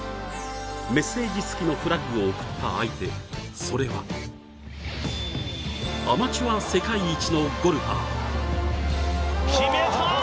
メッセージつきのフラッグを贈った相手、それはアマチュア世界一のゴルファー。